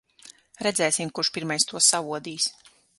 Redzēsim, kurš pirmais to saodīs.